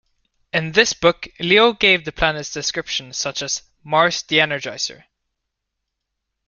In this book, Leo gave the planets descriptions such as "Mars the Energiser".